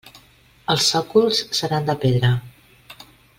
Els sòcols seran de pedra.